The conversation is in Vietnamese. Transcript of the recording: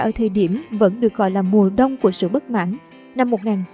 ở thời điểm vẫn được gọi là mùa đông của sự bất mãn năm một nghìn chín trăm bảy mươi